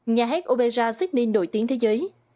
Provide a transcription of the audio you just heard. nhà hát opera sydney nổi tiếng thế giới